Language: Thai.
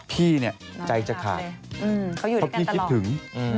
พี่เนี่ยใจจะขาดเพราะพี่คิดถึง